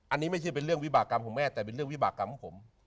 อันนี้ไม่ใช่เป็นเรื่องวิบากรรมของแม่แต่เป็นเรื่องวิบากรรมของผม